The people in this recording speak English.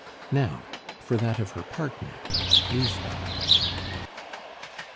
Now for that of her partner, Lisbeth.